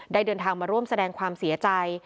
เดินทางมาร่วมแสดงความเสียใจ